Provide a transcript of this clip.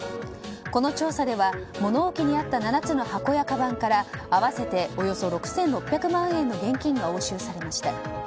この調査では、物置にあった７つの箱やかばんから合わせておよそ６６００万円の現金が押収されました。